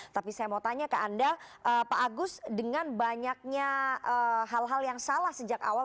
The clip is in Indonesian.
tapi saya mau tanya ke anda pak agus dengan banyaknya hal hal yang salah sejak awal